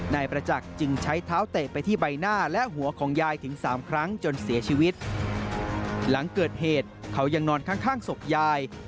นายประจักษ์จึงใช้เท้าเตะไปที่ใบหน้าและหัวของยาย